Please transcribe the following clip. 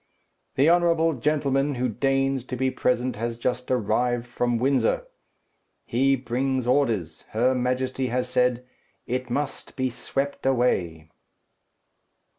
"The honourable gentleman who deigns to be present has just arrived from Windsor. He brings orders. Her Majesty has said, 'It must be swept away.'"